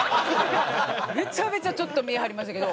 めちゃめちゃちょっと見え張りましたけど。